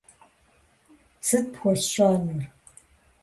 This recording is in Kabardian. - Сыт пхуэсщӏэнур?